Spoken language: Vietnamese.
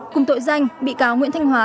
cùng tội danh bị cáo nguyễn thanh hóa